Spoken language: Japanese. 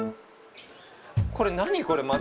これ何これまず。